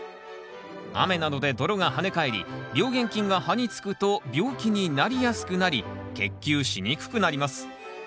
雨などで泥が跳ね返り病原菌が葉につくと病気になりやすくなり結球しにくくなります。